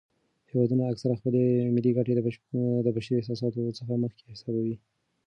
هیوادونه اکثراً خپلې ملي ګټې د بشري احساساتو څخه مخکې حسابوي.